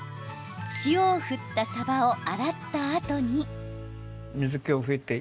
塩を振ったさばを洗ったあとに。